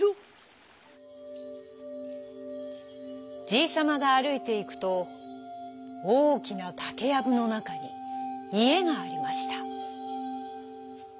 じいさまがあるいていくとおおきなたけやぶのなかにいえがありました。